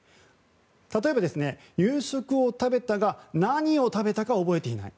例えば、夕食を食べたが何を食べたか覚えていない。